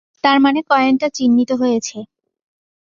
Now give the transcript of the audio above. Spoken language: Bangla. তার মানে কয়েনটা চিহ্নিত হয়েছে।